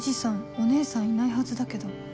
お姉さんいないはずだけど